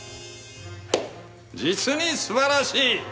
実にすばらしい。